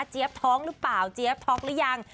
เจฟท้องหรือเปล่าเจฟท๊อกหรือยัง